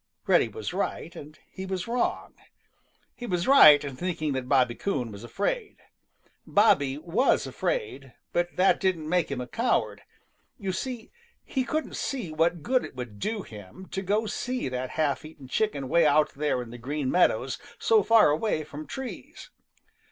Reddy was right, and he was wrong. He was right in thinking that Bobby Coon was afraid. Bobby was afraid, but that didn't make him a coward. You see, he couldn't see what good it would do him to go see that half eaten chicken way out there in the Green Meadows so far away from trees.